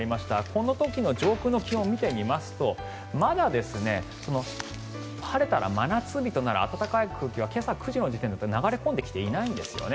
この時の上空の気温を見てみますとまだ晴れたら真夏日となる暖かい空気は今朝９時の時点だと流れ込んできていないんですね。